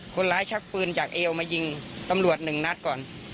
ชักปืนจากเอวมายิงตำรวจหนึ่งนัดก่อน